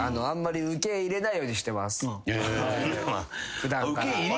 普段から。